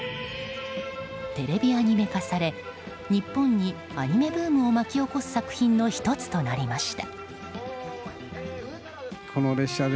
テレビアニメ化され日本にアニメブームを巻き起こす作品の１つとなりました。